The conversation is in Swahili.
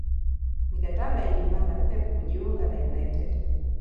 Mikataba ilimbana Pep kujiunga na united